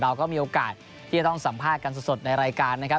เราก็มีโอกาสที่จะต้องสัมภาษณ์กันสดในรายการนะครับ